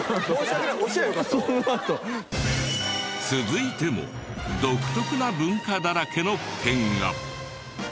続いても独特な文化だらけの県が。